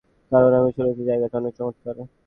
কারণ আমি শুনেছি জায়গাটা অনেক চমৎকার।